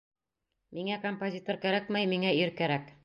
Миңә композитор кәрәкмәй, миңә ир кәрәк.